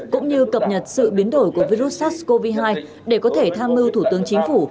cũng như cập nhật sự biến đổi của virus sars cov hai để có thể tham mưu thủ tướng chính phủ